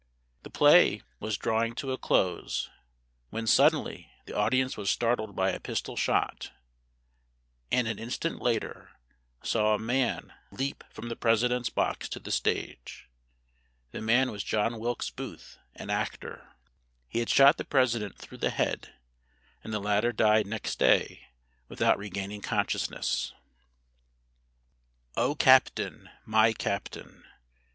The play was drawing to a close, when suddenly the audience was startled by a pistol shot, and an instant later saw a man leap from the President's box to the stage. The man was John Wilkes Booth, an actor. He had shot the President through the head, and the latter died next day without regaining consciousness. O CAPTAIN! MY CAPTAIN!